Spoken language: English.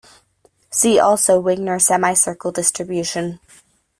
See also Wigner semicircle distribution.